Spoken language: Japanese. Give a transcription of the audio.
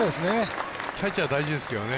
キャッチャー大事ですよね。